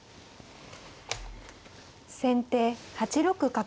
先手８六角。